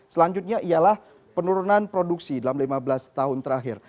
selanjutnya ialah penurunan produksi dalam lima belas tahun terakhir